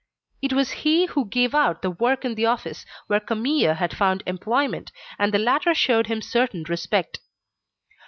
It was he who gave out the work in the office where Camille had found employment, and the latter showed him certain respect.